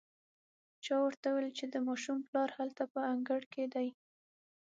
چا ورته وويل چې د ماشوم پلار هلته په انګړ کې دی.